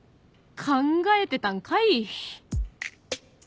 考えてたんかい！